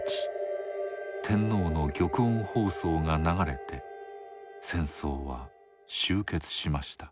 天皇の玉音放送が流れて戦争は終結しました。